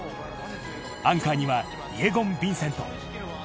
アンカーにはイェゴン・ヴィンセント。